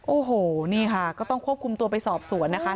โอ้โหนี่ค่ะก็ต้องควบคุมตัวไปสอบสวนนะคะ